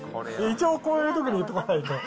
一応こういうときに言っておかないと。